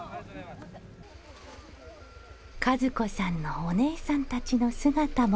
和子さんのお姉さんたちの姿も。